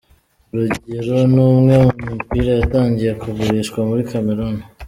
Urugero ni imwe mu mipira yatangiye kugurishwa muri Cameroun.